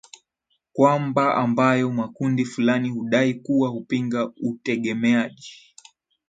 kwamba ambayo makundi fulani hudai kuwa hupinga utegemeaj